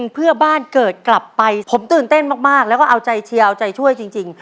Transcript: เพื่อบ้านเกิดกลับไปผมตื่นเต้นมากแล้วก็เอาใจเชียวใจช่วยจริง